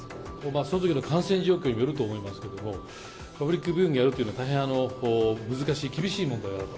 そのときの感染状況によると思いますけれども、パブリックビューイングやるというのは、大変難しい、厳しい問題だと。